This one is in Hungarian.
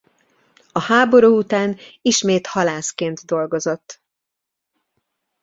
A háború után ismét halászként dolgozott.